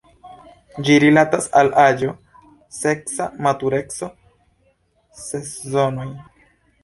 Ĝi rilatas al aĝo, seksa matureco, sezonoj.